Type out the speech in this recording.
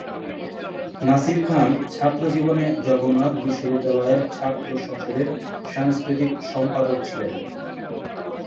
নাসির খান ছাত্র জীবনে জগন্নাথ বিশ্ববিদ্যালয়ের ছাত্র সংসদের সাংস্কৃতিক সম্পাদক ছিলেন।